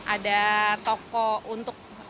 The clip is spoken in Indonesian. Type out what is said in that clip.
ada toko untuk